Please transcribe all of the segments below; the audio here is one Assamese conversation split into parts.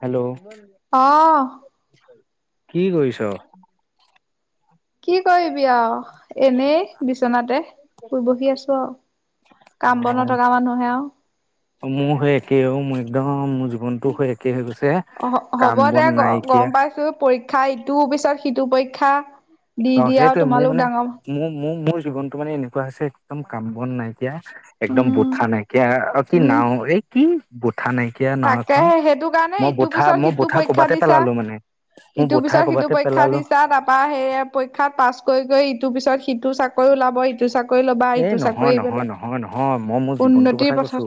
হেল্ল'। অহ কি কৰিছ। কি কৰিবি আৰু এনেই বিচনাতে। শুই বহি আছো আও কাম বন নথকা মানুহে আও। অ মোৰ হে একে অ মোৰ একদম মো। জীৱনটো হে একে হৈ গৈছে আৰু কাম বন নাইকিয়া। খাই ইটোৰ পিছত সিটো পৰীক্ষা দি অ দি আৰু সেইটোয়ে মোৰ তোমালোক মানে ডাঙৰ মোৰ মোৰ মোৰ জীৱনটো মানে এনেকোৱা হৈছে একদম কাম বন নাই। এতিয়া একদম উম বঠা নাইকিয়া আৰু কি উম নাও এই কি বুট ঠা নাইকিয় নাও এখন তাকেহে সেইটো কাৰণে মই ইটোৰ বুঠা পিছত মই সিটো বুঠা পৰীক্ষা ক'বাতে দিছা পেলালো মানে। মোৰ ইটোৰ বঠা পিছত সিটো ক'বাতে পৰীক্ষা পেলালো দিছা তাৰপা সেই পৰীক্ষাত পাছ কৰি কৰি ইটোৰ পিছত সিটো চা এ নহয় নহয় পেলাই নহয় নহয় মই মোৰ জীৱনটো উন্নতিৰ কথাই কৈছো। পথত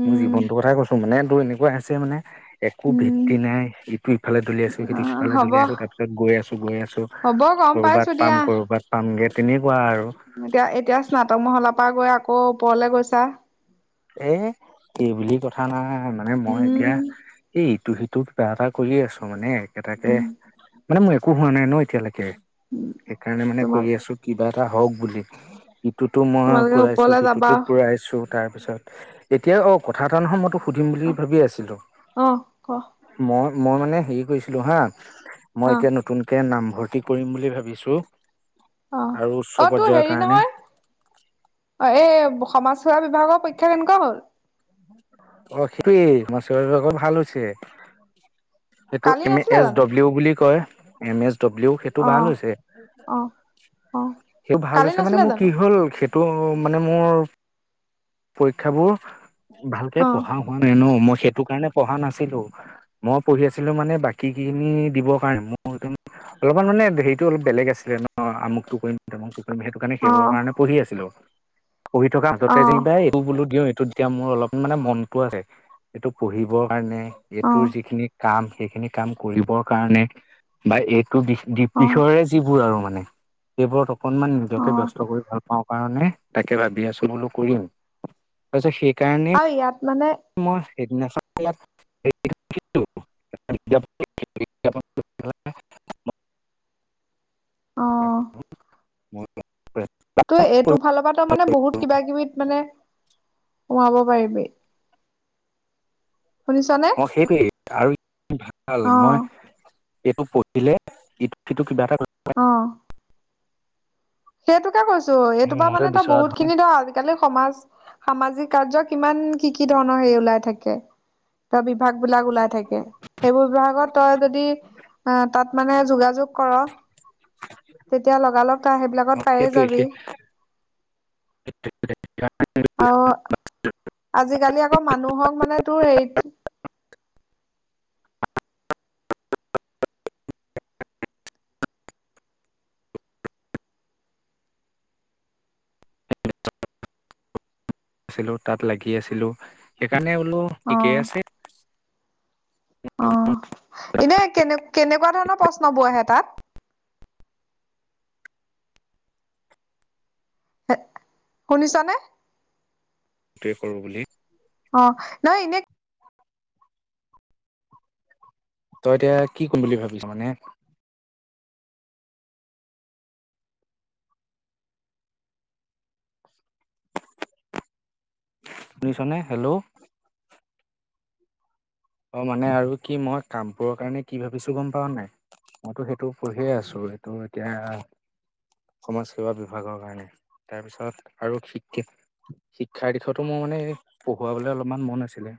উম জীৱনটো কথাই কৈছো মানে তো এনে কৈ আছে মানে একো উম ভিত্তি নাই ইটো ইফালে দলিয়াইছো অ ইটো সিফালে দলিয়াইছো হ'ব তাৰপিছত গৈ আছো। গৈ আছো হ'ব গম পাইছো কৰবাত পাম দিয়া। কৰবাত পামগে তেনেকোৱা আৰু। এতিয়া এতিয়া স্নাতক মহলাৰ পৰা গৈ আকৌ ওপৰলে গৈছা। এ এইবুলি কথা নাই মানে মই উম এতিয়া ই টো সিটো কিবা এটা কৰি আছো মানে একেটাকে মানে মোৰ একো হোৱা নাই ন এতিয়ালৈকে। সেইকাৰণে মানে তোমাৰ কৰি আছো কিবা এটা হওক বুলি। ইটোতো মই তোমালোকে পূৰাইছো ওপৰলে যাবা। সিটোতো পূৰাইছো তাৰপিছত এতিয়া অ কথা এটা নহয় মই তো সুধিম বুলি অহ ভাবি আছিলো অহ ক মই মই মানে হেৰি কৰিছিলো হা মই অহ এতিয়া নতুনকে নামভৰ্তি কৰিম বুলি ভাবিছো। অ অ তোৰ হেৰি নহয় অ এ সমাজ সেৱা বিভাগৰ পৰীক্ষা কেনেকোৱা হ'ল। অ সেই সমাজৰ বিভাগত ভাল হৈছে। এইটো কালি এম নাছিলে এছ জানো? ডব্লিউ বুলি কয় এম এছ। ডব্লিউ সেইটো অ ভাল হৈছে অ অ সেই ভাল কালি হৈছে মানে নাছিলে মোৰ কি জানো? হল সে টো মানে মোৰ পৰীক্ষাবোৰ। ভালকে অ পঢ়া হোৱা নাই ন মই সেইটো কাৰণে পঢ়া নাছিলো মই পঢ়ি আছিলো মানে বাকীখিনি দিবৰ কাৰণে মোৰ একদম অলপমান মানে হেৰিটো অলপ বেলেগ আছিলে ন আমুক টু কৰিম তামুকটো সেইটো কাৰণে অ সেইবোৰৰ কাৰণে পঢ়ি আছিলো। পঢ়ি থকা অ মাজতে যেনিবা এইটো বোলো দিওঁ এইটো যেতিয়া মোৰ অলপ মানে মনটো আহে। এইটো পঢ়িবৰ কাৰণে অ এইটোৰ যিখিনি কাম সেইখিনি কাম কৰিবৰ কাৰণে। বা এইটো বি দ্বীপ অ বিষয়ে যিবোৰ আৰু মানে সেইবোৰত অকনমান অ নিজকে ব্যস্ত কৰি ভাল পাওঁ কাৰণে তাকে ভাবি আছো বোলো কৰিম। আচ্ছা শেষ। আৰু ইয়াত মানে সেইদিনাখন। [unintelligible] [unintelligible] অ মই। [unintelligible] ত এইটো ফালৰ পৰা তো মানে বহুত কিবা কিবি মানে সোমাব। পাৰিবি। শুনিছনে? অ সেইটোৱেই আৰু ভাল অ মই এইটো পঢ়িলে ইটো সিটো কিবা এটা অহ। সেইটোকে কৈছো এইটোপা মনটোৱে মানে তই বিচৰা বহুত ধৰণৰ খিনি ধৰ আজিকালি সমাজ সামাজিক কাৰ্য কিমান কি কি ধৰণৰ হেৰি ওলাই থাকে ত বিভাগ বিলাক ওলাই থাকে সেইবোৰ বিভাগত তই যদি অ তাত মানে যোগাযোগ কৰ তেতিয়া লগালগ তাৰ সেইবিলাকত পায়ে যাবি। সেইটোৱে সেইটো আহ আজিকালি আকৌ মানুহক মানে তোৰ সেৰিত আছিলো তাত লাগি আছিলো সেইকাৰণে বোলো অ ঠিকেই আছে। অ এনে কেনে কেনে?? এনেকুৱা ধৰণৰ প্ৰশ্ন বোৰ আহে তাত। হ শুনিছ নে? সেইটোৱে কৰো বুলি অ নহয় এনেই তই এতিয়া কি কৰিম বুলি ভাবিছো মানে। শুনিছনে হেল্ল'? অ মানে আৰু কি মই কামবোৰৰ কাৰণে কি ভাবিছো গম পাও নাই! মইতো সেইটো পঢ়িয়ে আছো এইটো এতিয়া সমাজ সেৱা বিভাগৰ কাৰণে, তাৰপিছত আৰু শিক্ষিত শিক্ষাৰ দিশতো মোৰ মানে পঢ়ুৱাবলে অলপমান মন আছিলে।